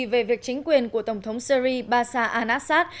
về việc chính quyền của tổng thống syri basa al assad